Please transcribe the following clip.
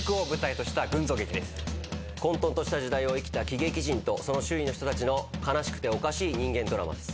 混沌とした時代を生きた喜劇人とその周囲の人たちの悲しくておかしい人間ドラマです。